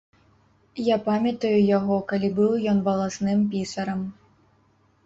Я памятаю яго, калі быў ён валасным пісарам.